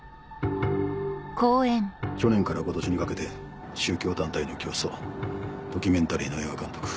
去年から今年にかけて宗教団体の教祖ドキュメンタリーの映画監督